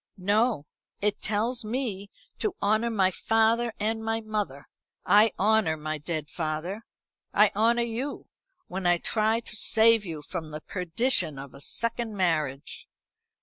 "No. It tells me to honour my father and my mother. I honour my dead father, I honour you, when I try to save you from the perdition of a second marriage."